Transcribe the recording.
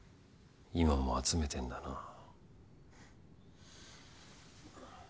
今も集めてんだな